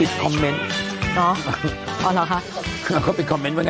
ปิดอ๋ออ๋อหรอคะอ๋อเขาก็เป็นคำเมนต์ไว้นะ